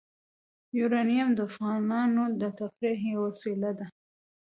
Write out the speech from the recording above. یورانیم د افغانانو د تفریح یوه وسیله ده.